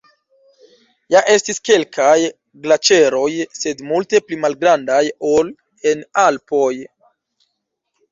Ja estis kelkaj glaĉeroj, sed multe pli malgrandaj ol en Alpoj.